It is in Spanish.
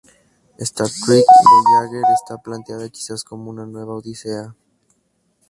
Star Trek: Voyager está planteada quizás como una nueva Odisea.